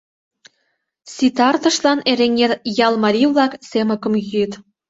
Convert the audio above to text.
Ситартышлан Эреҥер ял марий-влак семыкым йӱыт...